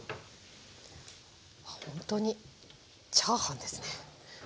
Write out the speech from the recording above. あっほんとにチャーハンですね。